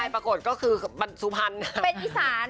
ปรากฏก็คือมันสุพรรณ